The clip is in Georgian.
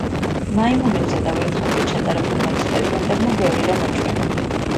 მაიმუნებზე და ვირთხებზე ჩატარებულმა ექსპერიმენტებმა ბევრი რამ აჩვენა.